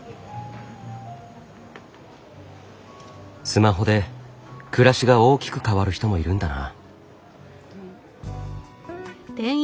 スマホで暮らしが大きく変わる人もいるんだな。